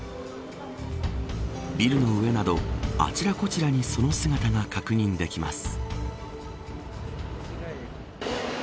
ビルの上など、あちらこちらにその姿が確認できます。